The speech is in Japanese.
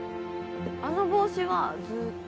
あの帽子はずっと？